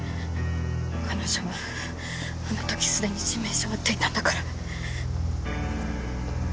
彼女はあの時すでに致命傷を負っていたんだから。